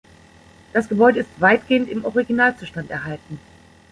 Das Gebäude ist weitgehend im Originalzustand erhalten.